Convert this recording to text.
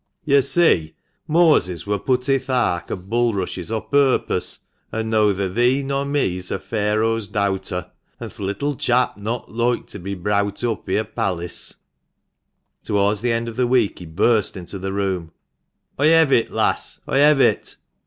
"Yo' see, Moses wur put in' th' ark o' bulrushes o' purpose, an' noather thee nor mi's a Pharaoh's dowter, an' th' little chap's not loike to be browt oop i* a pallis." Towards the end of the week he burst into the room ;" Oi hev it, lass, oi hev it